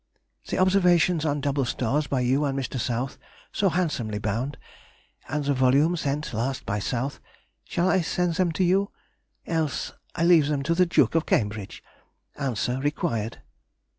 The observations on double stars by you and Mr. South (so handsomely bound) and the volume sent last, by South, shall I send them to you?—else I leave them to the Duke of Cambridge!—answer required.